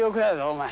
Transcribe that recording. お前。